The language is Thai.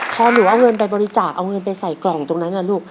พอหนูเอาเงินไปบริจาคเอาเงินไปใส่กล่องตรงนั้นนะลูก